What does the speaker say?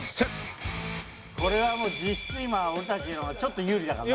これはもう実質今俺たちの方がちょっと有利だからな。